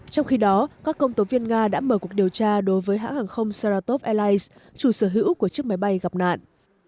trong khi đó các công tố viên nga đã mở cuộc điều tra đối với hãng hàng không saratop airlines chủ sở hữu của chiếc máy bay gặp nạn